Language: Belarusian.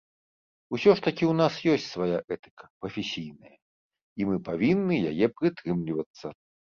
Усё ж такі ў нас ёсць свая этыка, прафесійная, і мы павінны яе прытрымлівацца.